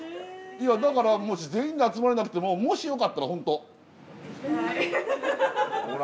だからもし全員で集まれなくてももしよかったら本当。